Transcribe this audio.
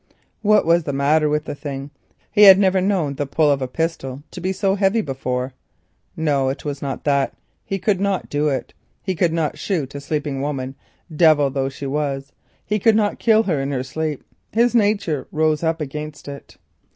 What was the matter with the thing? He had never known the pull of a pistol to be so heavy before. No, it was not that. He could not do it. He could not shoot a sleeping woman, devil though she was; he could not kill her in her sleep. His nature rose up against it.